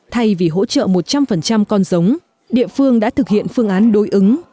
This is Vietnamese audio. thay vì hỗ trợ một trăm linh con giống địa phương đã thực hiện phương án đối ứng